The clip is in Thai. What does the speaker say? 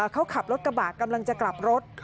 เขาขับรถกระบะกำลังจะกลับรถ